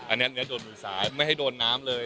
อันนี้โดนมือซ้ายไม่ให้โดนน้ำเลย